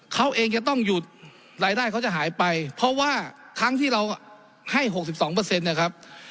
เขาเองจะต้องหยุดรายได้เขาจะหายไปเพราะว่าทั้งที่เราให้หกสิบสองเปอร์เซ็นต์นะครับ